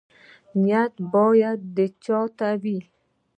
نیت باید چا ته وي؟